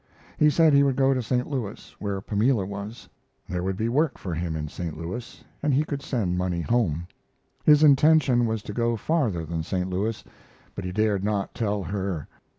He said he would go to St. Louis, where Pamela was. There would be work for him in St. Louis, and he could send money home. His intention was to go farther than St. Louis, but he dared not tell her.